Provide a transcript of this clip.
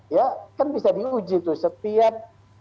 ya kan bisa diuji tuh setiap